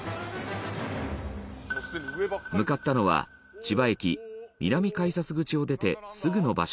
向かったのは千葉駅、南改札口を出てすぐの場所